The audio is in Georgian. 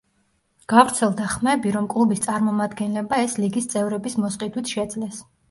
გავრცელდა ხმები, რომ კლუბის წარმომადგენლებმა ეს ლიგის წევრების მოსყიდვით შეძლეს.